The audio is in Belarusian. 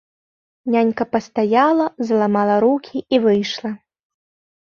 Нянька пастаяла, заламала рукі і выйшла.